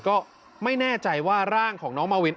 ก็ไม่แน่ใจว่าร่างของน้องมาวิน